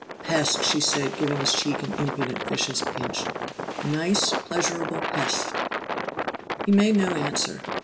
"Pest!" she said, giving his cheek an impudent vicious pinch. "Nice, pleasurable pest!" He made no answer.